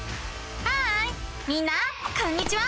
ハーイみんなこんにちは！